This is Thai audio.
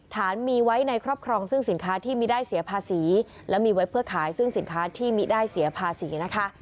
ฐานมีไว้ในครอบครองซึ่งสินค้าที่มีได้เสียภาษีและมีไว้เพื่อขายซึ่งสินค้าที่มีได้เสียภาษีนะคะ